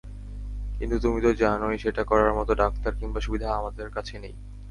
কিন্তু তুমি তো জানোই সেটা করার মতো ডাক্তার কিংবা সুবিধা আমাদের কাছে নেই।